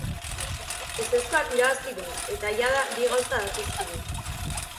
Ezezkoak irabazi du, eta jada bi gauza dakizkigu.